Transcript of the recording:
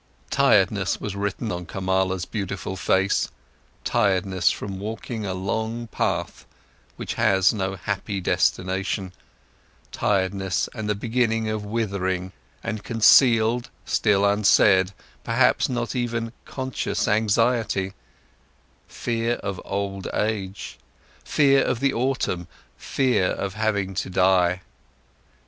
Tiredness was written on Kamala's beautiful face, tiredness from walking a long path, which has no happy destination, tiredness and the beginning of withering, and concealed, still unsaid, perhaps not even conscious anxiety: fear of old age, fear of the autumn, fear of having to die.